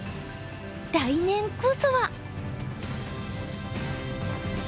来年こそは。